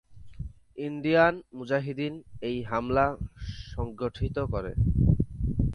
Indian Mujahideen এই হামলা সংগঠিত করে।